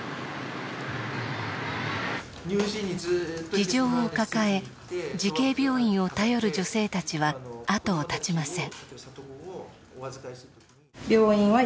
事情を抱え慈恵病院を頼る女性たちはあとを絶ちません。